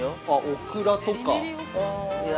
◆オクラとか。